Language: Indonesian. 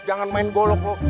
jangan main golok loh